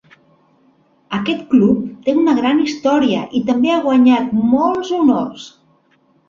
Aquest club té una gran història i també ha guanyat molts honors!